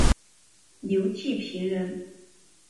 刘季平人。